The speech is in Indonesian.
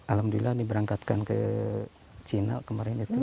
alhamdulillah ini berangkatkan ke cina kemarin itu